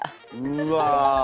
うわ！